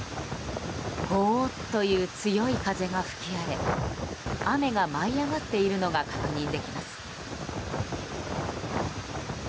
ゴーッという強い風が吹き荒れ雨が舞い上がっているのが確認できます。